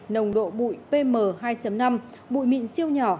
nồng độ bụi pm hai năm bụi mịn siêu nhỏ